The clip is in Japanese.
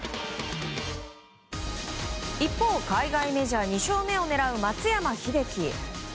一方、海外メジャー２勝目を狙う松山英樹。